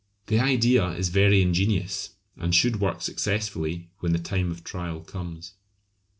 The idea is very ingenious, and should work successfully when the time of trial comes.